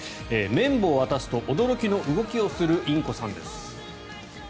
綿棒を渡すと驚きの動きをするインコさんです。